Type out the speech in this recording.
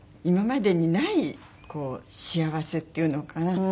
今までにない幸せっていうのかな。